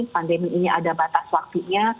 pandemi ini ada batas waktunya